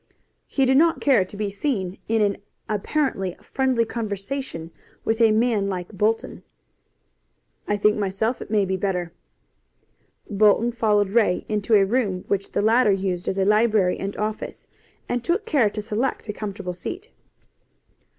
He did not care to be seen in an apparently friendly conversation with a man like Bolton. "I think myself it may be better." He followed Ray into a room which the latter used as a library and office, and took care to select a comfortable seat.